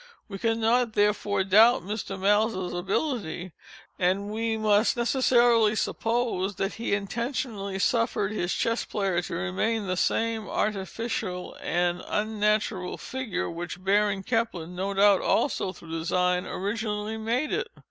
We cannot, therefore, doubt Mr. Maelzel's ability, and we must necessarily suppose that he intentionally suffered his Chess Player to remain the same artificial and unnatural figure which Baron Kempelen (no doubt also through design) originally made it.